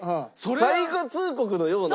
最後通告のような言葉。